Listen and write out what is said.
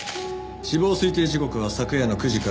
死亡推定時刻は昨夜の９時から１１時。